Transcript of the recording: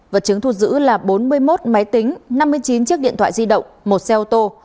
vật chứng thu giữ là bốn mươi một máy tính năm mươi chín chiếc điện thoại di động một xe ô tô